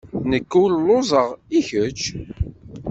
Nekk lluẓeɣ. I kečč?